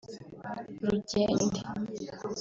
Rugende